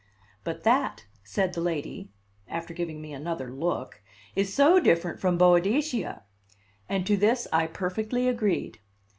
But that, said the lady, after giving me another look, is so different from Boadicea! And to this I perfectly agreed.